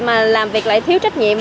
mà làm việc lại thiếu trách nhiệm